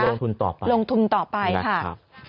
ลงทุนต่อไปลงทุนต่อไปค่ะครับ